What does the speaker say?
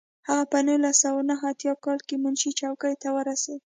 هغه په نولس سوه نهه اتیا کال کې منشي څوکۍ ته ورسېد.